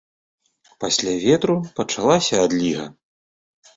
Пасля ветру пачалася адліга.